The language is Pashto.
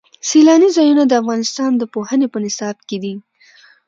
سیلاني ځایونه د افغانستان د پوهنې په نصاب کې دي.